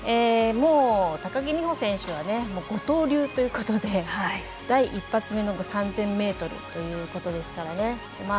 高木美帆選手は五刀流ということで第一発目の３０００ｍということですからね。